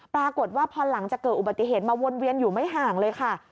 ปรากฏว่าพอหลังจากเกิดอุบัติเหตุมาวนเวียนอยู่ไม่ห่างเลยค่ะ